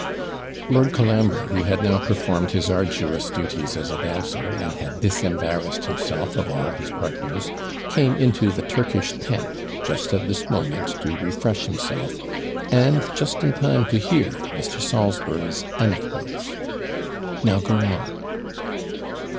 Lord Colambre, who had now performed his arduous duties as a dancer, and had disembarrassed himself of all his partners, came into the Turkish tent just at this moment to refresh himself, and just in time to hear Mr. Salisbury's anecdotes. 'Now go on.'